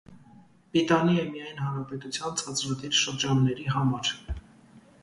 Պիտանի է միայն հանրապետության ցածրադիր շրջանների համար։